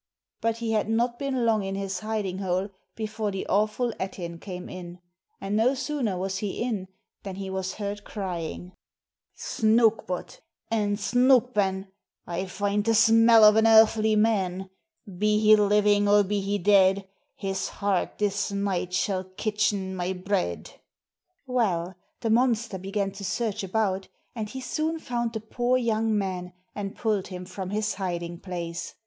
But he had not been long in his hiding hole, before the awful Ettin came in ; and no sooner was he in, than he was heard crying : "Snouk but ! and snouk ben ! I find the smell of an earthly man, Be he living, or be he dead, His heart this night shall kitchen my bread. THE RED ETTIN 319 Well, the monster began to search about, and he soon found the poor young man, and pulled him from his hiding place.